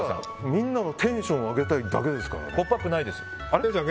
みんなのテンションを上げたいだけですから。